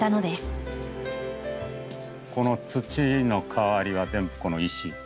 この土の代わりは全部この石。